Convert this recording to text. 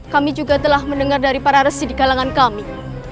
kami juga telah mendengar dari para resi di kalangan kami